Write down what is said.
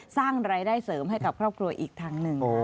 สร้างรายได้เสริมให้กับครอบครัวอีกทางหนึ่ง